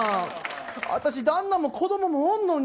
あたし、旦那も子供もおんのに。